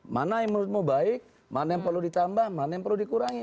mana yang menurutmu baik mana yang perlu ditambah mana yang perlu dikurangi